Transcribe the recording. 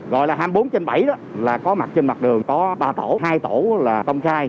gọi là hai mươi bốn trên bảy đó là có mặt trên mặt đường có ba tổ hai tổ là công khai